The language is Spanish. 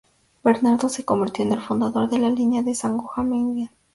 Bernardo se convirtió en el fundador de la línea de Sajonia-Meiningen.